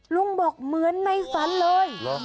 ลุงบอกเหมือนในฝันเลย